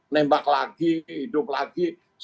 nembak lagi hidup lagi